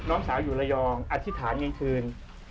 น้องสาวอยู่ระยองอธิษฐานเงินคืน